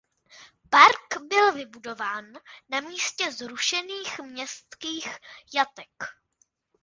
Park byl vybudován na místě zrušených městských jatek.